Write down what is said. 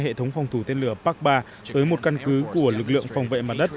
hệ thống phòng thủ tên lửa pak ba tới một căn cứ của lực lượng phòng vệ mặt đất